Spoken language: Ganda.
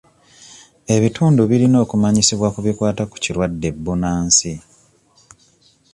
Ebitundu birina okumanyisibwa ku bikwata ku kirwadde bbunansi.